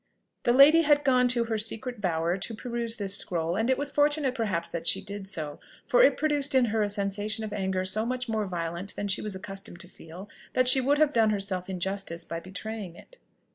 "The lady had gone to her secret bower" to peruse this scroll; and it was fortunate perhaps that she did so, for it produced in her a sensation of anger so much more violent than she was accustomed to feel, that she would have done herself injustice by betraying it.